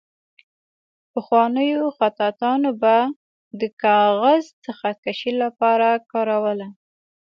پخوانیو خطاطانو به د کاغذ د خط کشۍ لپاره کاروله.